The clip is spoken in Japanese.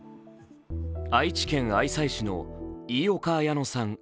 愛知県愛西市の飯岡綾乃さん